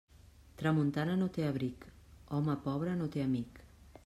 Tramuntana no té abric; home pobre no té amic.